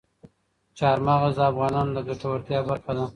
چار مغز د افغانانو د ګټورتیا برخه ده.